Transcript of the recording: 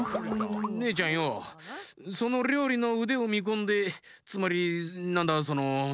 ねえちゃんよそのりょうりのうでをみこんでつまりなんだその。